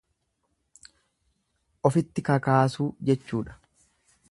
Ofitti kakaasuu jechuudha.